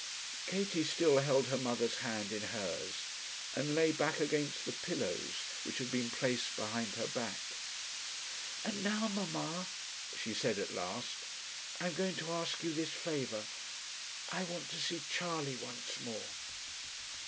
Katie still held her mother's hand in hers, and lay back against the pillows which had been placed behind her back. 'And now, mamma,' she said at last, 'I am going to ask you this favour I want to see Charley once more.'